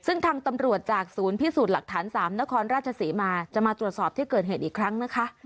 ซึ่งทางตำรวจจากศูนย์พิสูจน์หลักฐาน๓นครราชศรีมาจะมาตรวจสอบที่เกิดเหตุอีกครั้งนะคะ